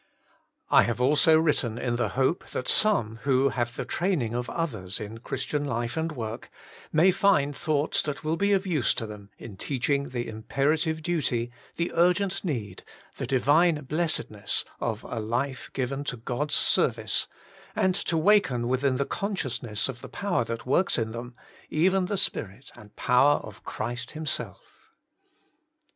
I have also written in the hope that some, who have the training of others in Christ ian life and work, may find thoughts that will be of use to them in teaching the im perative duty, the urgent need, the Divine blessedness of a life given to God's service, and to waken within the consciousness of the power that works in them, even the Spirit and power of Christ Himself.